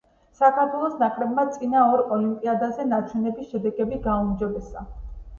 საქართველოს ნაკრებმა წინა ორ ოლიმპიადებზე ნაჩვენები შედეგები გააუმჯობესა.